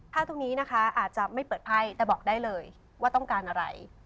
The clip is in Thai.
ตรงนี้นะคะอาจจะไม่เปิดไพ่แต่บอกได้เลยว่าต้องการอะไร